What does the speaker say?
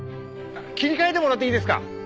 切り替えてもらっていいですか？